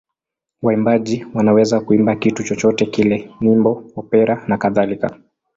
Waimbaji wanaweza kuimba kitu chochote kile: nyimbo, opera nakadhalika.